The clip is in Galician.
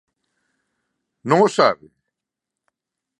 ¡Non o sabe!